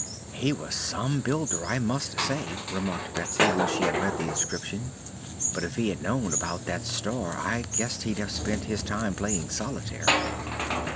"He was some builder, I must say," remarked Betsy, when she had read the inscription; "but if he had known about that star I guess he'd have spent his time playing solitaire."